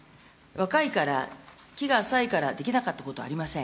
若いから、期が浅いからできなかったことはありません。